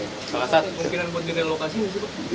pak staf kemungkinan kemungkinan lokasi